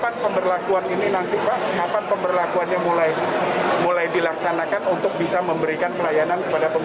tentang teknis pelaksanaannya di lapangan